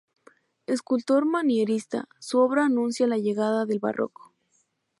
Escultor manierista, su obra anuncia la llegada del Barroco.